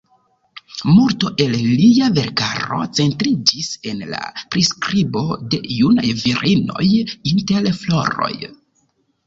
Multo el lia verkaro centriĝis en la priskribo de junaj virinoj inter floroj.